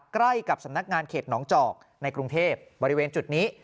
ใกล้กับสำนักงานเขตหนองจอกในกรุงเทพบริเวณจุดนี้